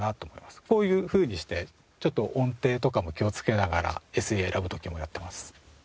こういうふうにしてちょっと音程とかも気をつけながらＳＥを選ぶ時もやってます。